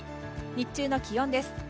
日中の気温です。